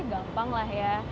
gampang lah ya